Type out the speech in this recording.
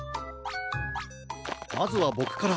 まずはボクから！